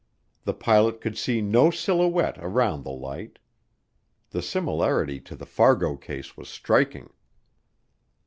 The pilot could see no silhouette around the light. The similarity to the Fargo case was striking.